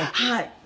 はい。